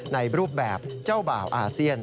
ในรูปแบบเจ้าบ่าวอาเซียน